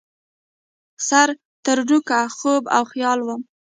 سر ترنوکه خوب او خیال وم